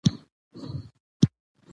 هره جمله ځانګړې مانا لري.